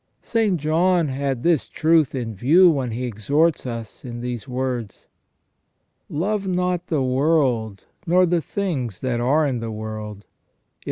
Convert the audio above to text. St. John had this truth in view when he exhorts us in these words :" Love not the world, nor the things that are in the world.